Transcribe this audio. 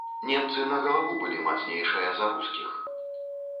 Немцы на галаву былі мацнейшыя за рускіх.